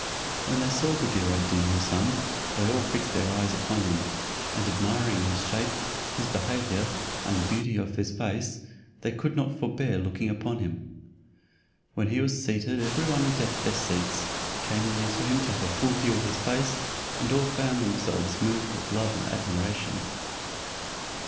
When they saw Buddir ad Deen Houssun, all fixed their eyes upon him, and admiring his shape, his behaviour, and the beauty of his face, they could not forbear looking upon him. When he was seated every one deft their seats, came near him to have a full view of his face, and all found themselves moved with love and admiration.